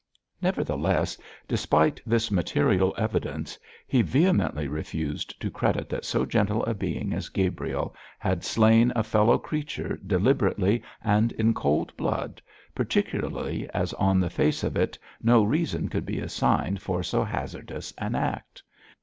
Nevertheless, despite this material evidence, he vehemently refused to credit that so gentle a being as Gabriel had slain a fellow creature deliberately and in cold blood, particularly as on the face of it no reason could be assigned for so hazardous an act.